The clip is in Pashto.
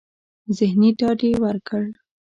ذهني ډاډ يې ورکړ.